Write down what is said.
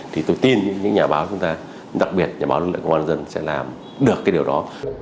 thì tôi tin những nhà báo chúng ta đặc biệt nhà báo lực lượng công an dân sẽ làm được cái điều đó